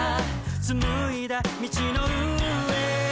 「紡いだ道の上に」